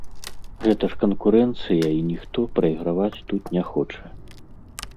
Гэта ж канкурэнцыя і ніхто прайграваць тут не хоча.